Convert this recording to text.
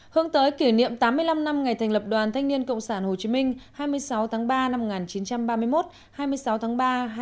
hướng tới kỷ niệm tám mươi năm năm ngày thành lập đoàn thanh niên cộng sản hồ chí minh hai mươi sáu tháng ba năm một nghìn chín trăm ba mươi một hai mươi sáu tháng ba hai nghìn hai mươi